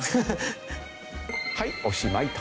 はいおしまいと。